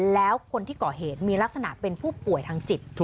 แล้วคนที่ก่อเหตุมีลักษณะเป็นผู้ป่วยทางจิต